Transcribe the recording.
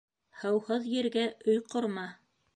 Һыуһыҙ ергә өй ҡорма